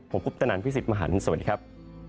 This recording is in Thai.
ผมกุ๊ปตะนันท์พี่สิทธิ์มหาลสวัสดีครับ